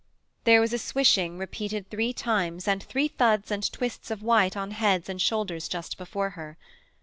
There was a swishing repeated three times and three thuds and twists of white on heads and shoulders just before her.